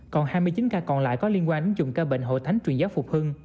còn hai mươi chín ca còn lại có liên quan ứng dụng ca bệnh hội thánh truyền giáo phục hưng